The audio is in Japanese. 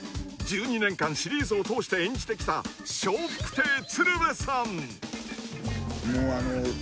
［１２年間シリーズを通して演じてきた］ということで。